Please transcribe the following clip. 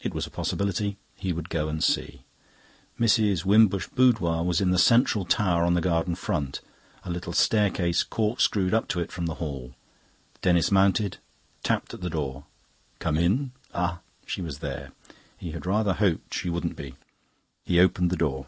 It was a possibility; he would go and see. Mrs. Wimbush's boudoir was in the central tower on the garden front. A little staircase cork screwed up to it from the hall. Denis mounted, tapped at the door. "Come in." Ah, she was there; he had rather hoped she wouldn't be. He opened the door.